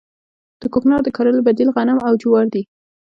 د کوکنارو د کرلو بدیل غنم او جوار دي